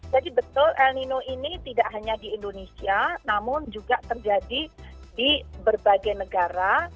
jadi betul el nino ini tidak hanya di indonesia namun juga terjadi di berbagai negara